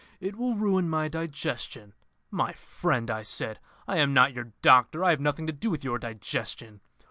'It will ruin my digestion.' 'My friend,' I said, 'I am not your doctor; I have nothing to do with your digestion.